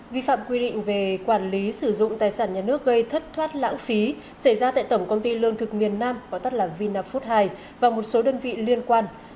vi phạm quy định về quản lý sử dụng tài sản nhà nước gây thất thoát lãng phí xảy ra tại tổng công ty lương thực miền nam gọi tắt là vina food hai và một số đơn vị liên quan